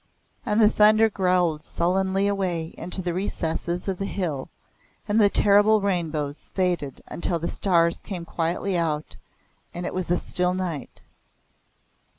And the thunder growled sullenly away into the recesses of the hill and the terrible rainbows faded until the stars came quietly out and it was a still night.